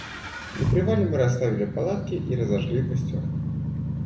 На привале мы расставили палатки и разожгли костёр.